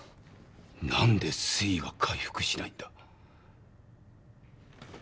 何で水位が回復しないんだ？